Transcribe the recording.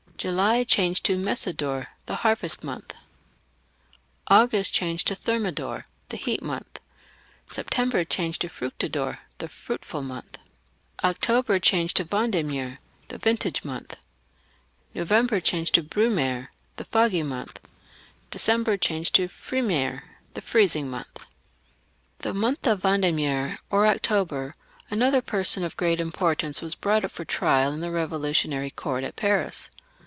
July ,,„ Messidor, the harvest month. Augost „„ Thermidor, the heat month. September „„ Fructidor, the froitful month. October „„ Vendemiaire, the vintage month. November ,,„ Brumaire, the foggy month. December '„„ Frimaire, the freezing month. In the month of Vendemiaire or October, another per son of great importance was brought up for trial in the Eevolutionary Court at Paris.